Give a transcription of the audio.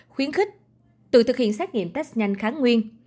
khuyến khích tự thực hiện xét nghiệm test nhanh kháng nguyên